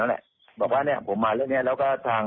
เพราะว่าตอนแรกมีการพูดถึงนิติกรคือฝ่ายกฎหมาย